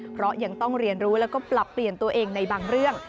เพราะยังต้องเรียนรู้แล้วก็ปรับเปลี่ยนตัวเองในบางเรื่อง